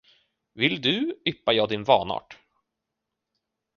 Vill du, yppar jag din vanart.